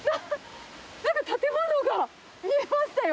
なんか建物が見えましたよ。